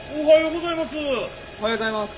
おはようございます。